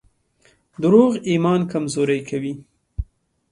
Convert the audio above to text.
دروغ ایمان کمزوری کوي.